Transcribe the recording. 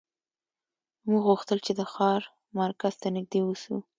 موږ غوښتل چې د ښار مرکز ته نږدې اوسو